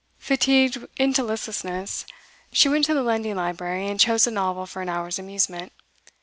Fatigued into listlessness, she went to the lending library, and chose a novel for an hour's amusement.